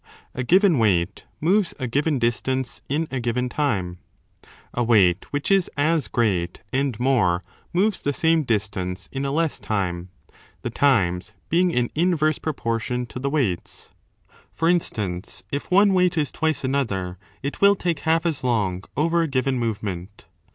A given weight moves a given distance in a given time; a weight which is as great and more moves the same distance in a less time, the times being in inverse 274 proportion to the weights. For instance, if one weight is twice another, it will take half as long over a given move ment.